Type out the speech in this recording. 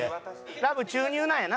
ラブ注入なんやな？